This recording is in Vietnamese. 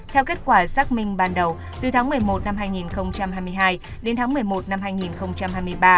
theo kết quả xác minh ban đầu từ tháng một mươi một năm hai nghìn hai mươi hai đến tháng một mươi một năm hai nghìn hai mươi ba